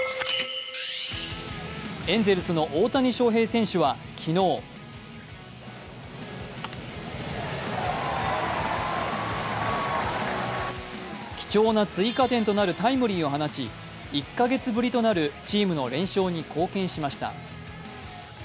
エンゼルスの大谷翔平選手は昨日、貴重な追加点となるタイムリーを放ち、１カ月ぶりとなるチームの連勝に貢献しました。